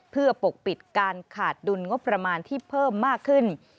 เพื่อปกปิดการขาดดุลงบประมาณที่เพิ่มมากขึ้น